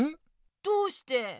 どうして？